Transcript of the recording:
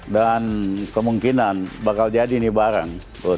dan kemungkinan bakal jadi nih bareng